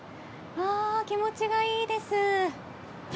ああ気持ちがいいです。